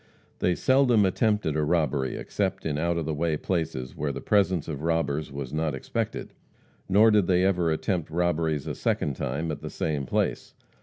They seldom attempted a robbery except in out of the way places where the presence of robbers was not expected. Nor did they ever attempt robberies a second time at the same place.